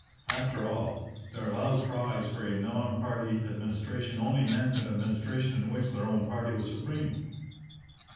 After all, their loud cries for a non party administration only meant an administration in which their own party was supreme.